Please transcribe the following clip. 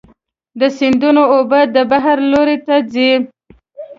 د سیندونو اوبه د بحر لور ته ځي.